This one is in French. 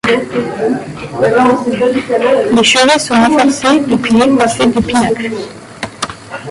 Les chevets sont renforcés de piliers coiffés de pinacles.